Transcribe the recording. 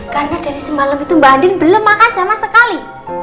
karena dari semalam itu mbak andin belum makan sama sekali